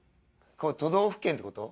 これ都道府県ってこと？